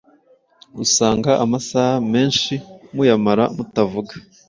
usanga amasaha menshi muyamara mutavugana